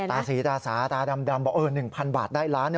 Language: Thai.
ตาสีตาสาตาดำบอก๑๐๐บาทได้ล้านนะ